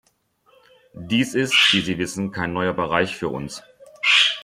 Dies ist, wie Sie wissen, kein neuer Bereich für uns.